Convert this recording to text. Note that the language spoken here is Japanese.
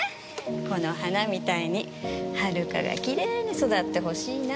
この花みたいに遥がきれいに育って欲しいな。